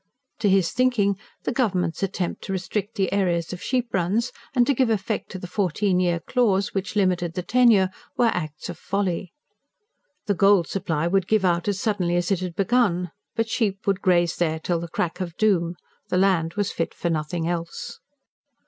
To his thinking, the government's attempt to restrict the areas of sheep runs, and to give effect to the "fourteen year clause" which limited the tenure, were acts of folly. The gold supply would give out as suddenly as it had begun; but sheep would graze there till the crack of doom the land was fit for nothing else.